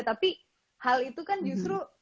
tapi hal itu kan justru